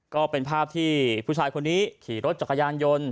ก็เป็นภาพที่ผู้ชายคนนี้ขี่รถจักรยานยนต์